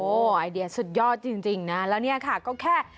ไอเดียสุดยอดจริงนะแล้วเนี่ยค่ะก็แค่